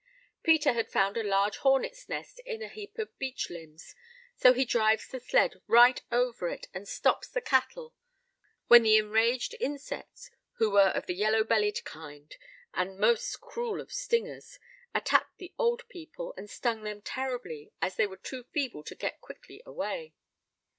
Peter had found a large hornet's nest in a heap of beech limbs; so he drives the sled right over it, and stops the cattle; when the enraged insects, who were of the yellow bellied kind, and the most cruel of stingers, attacked the old people, and stung them terribly, as they were too feeble to get quickly away.